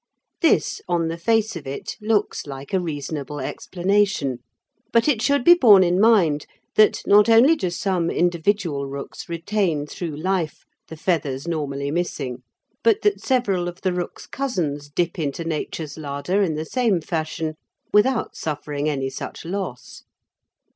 This, on the face of it, looks like a reasonable explanation, but it should be borne in mind that not only do some individual rooks retain through life the feathers normally missing, but that several of the rook's cousins dip into Nature's larder in the same fashion without suffering any such loss.